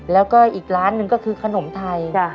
แล้วก็อีกร้านหนึ่งก็คือขนมไทย